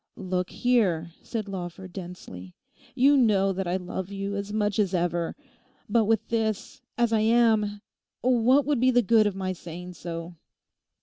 'Look here,' said Lawford densely, 'you know that I love you as much as ever; but with this—as I am; what would be the good of my saying so?